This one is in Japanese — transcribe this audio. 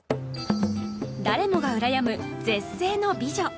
誰もが羨む絶世の美女